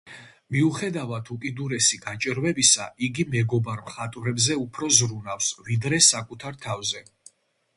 მიუხედავად უკიდურესი გაჭირვებისა, იგი მეგობარ მხატვრებზე უფრო ზრუნავს, ვიდრე საკუთარ თავზე.